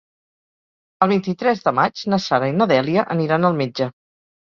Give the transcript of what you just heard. El vint-i-tres de maig na Sara i na Dèlia aniran al metge.